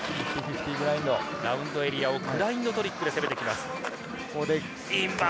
ラウンドエリアをグラインドトリックで攻めてきます。